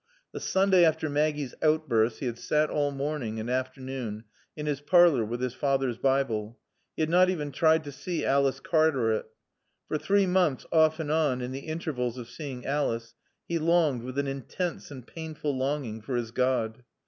The Sunday after Maggie's outburst he had sat all morning and afternoon in his parlor with his father's Bible. He had not even tried to see Alice Cartaret. For three months, off and on, in the intervals of seeing Alice, he longed, with an intense and painful longing, for his God.